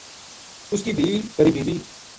اس کی دھِی پری بی بی